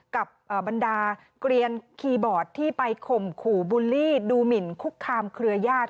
กับบรรดาเกลียนคีย์บอร์ดที่ไปข่มขู่บูลลี่ดูหมินคุกคามเครือญาติ